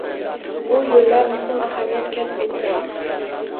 Bu yoʻllar muhim ahamiyat kasb etgan.